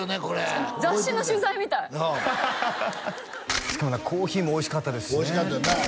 これ雑誌の取材みたいしかもコーヒーもおいしかったですしね